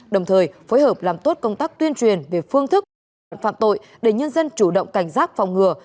đồng thời phối hợp làm tốt công tác tuyên truyền về phương thức thủ đoạn phạm tội để nhân dân chủ động cảnh giác phòng ngừa